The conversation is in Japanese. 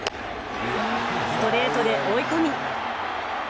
ストレートで追い込み。